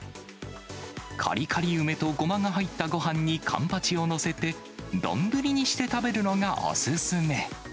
かりかり梅とごまが入ったごはんにカンパチを載せて、丼にして食べるのがお勧め。